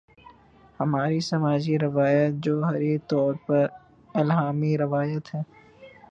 ہماری سماجی روایت جوہری طور پر الہامی روایت ہے۔